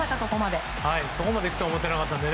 そこまでいくとは思っていなかったので。